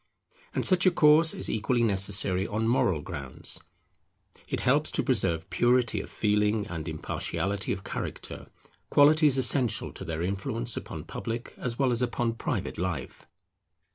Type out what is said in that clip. And such a course is equally necessary on moral grounds. It helps to preserve purity of feeling and impartiality of character; qualities essential to their influence upon public as well as upon private life.